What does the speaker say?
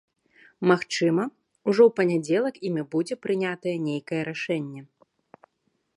Магчыма, ужо у панядзелак імі будзе прынятае нейкае рашэнне.